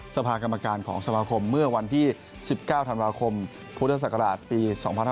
สภากรรมการของสมาคมเมื่อวันที่๑๙ธันวาคมพุทธศักราชปี๒๕๖๒